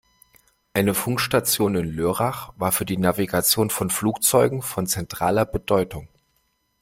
Eine Funkstation in Lörrach war für die Navigation von Flugzeugen von zentraler Bedeutung.